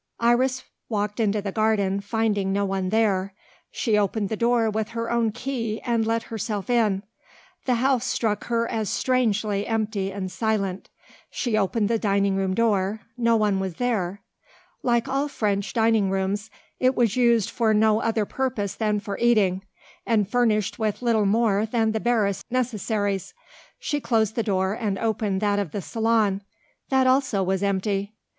Iris walked into the garden, finding no one there. She opened the door with her own key and let herself in. The house struck her as strangely empty and silent. She opened the dining room door: no one was there. Like all French dining rooms, it was used for no other purpose than for eating, and furnished with little more than the barest necessaries. She closed the door and opened that of the salon: that also was empty.